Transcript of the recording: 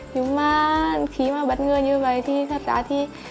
nhưng mà khi mà bất ngờ như vậy thì thật ra thì